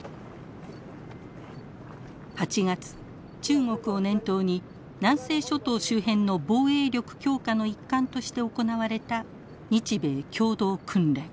８月中国を念頭に南西諸島周辺の防衛力強化の一環として行われた日米共同訓練。